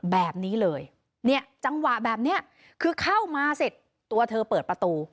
แบบนี้เลยเนี่ยจังหวะแบบเนี้ยคือเข้ามาเสร็จตัวเธอเปิดประตู